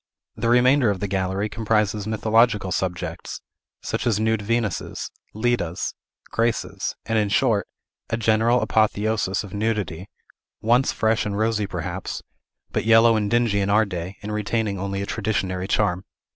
The remainder of the gallery comprises mythological subjects, such as nude Venuses, Ledas, Graces, and, in short, a general apotheosis of nudity, once fresh and rosy perhaps, but yellow and dingy in our day, and retaining only a traditionary charm.